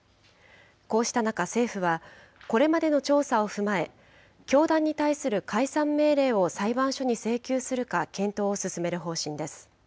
こうした中、政府は、これまでの調査を踏まえ、教団に対する解散命令を裁判所に請求するか検討を進める方針です。